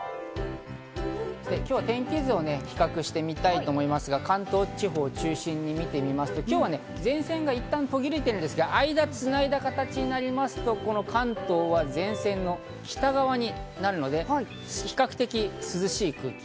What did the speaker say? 今日は天気図を比較してみたいと思いますが、関東地方を中心に見てみますと、今日は前線がいったん途切れているんですが、間をつないだ形になりますと、関東は前線の北側になるので比較的涼しい天気。